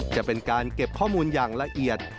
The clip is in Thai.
จะเป็นการเก็บข้อมูลอย่างละเอียด